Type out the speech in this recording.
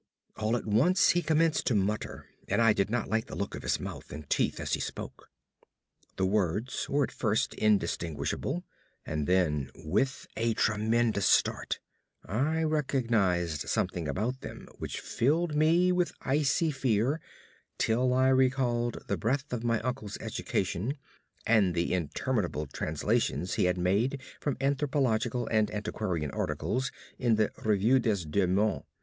All at once he commenced to mutter, and I did not like the look of his mouth and teeth as he spoke. The words were at first indistinguishable, and then with a tremendous start I recognized something about them which filled me with icy fear till I recalled the breadth of my uncle's education and the interminable translations he had made from anthropological and antiquarian articles in the Revue des Deux Mondes.